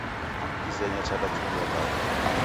Kizenya chadachuria bagha